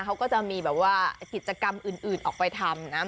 เขาก็จะมีแบบว่ากิจกรรมอื่นออกไปทำนะ